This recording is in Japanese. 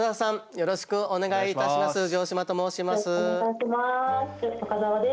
よろしくお願いします。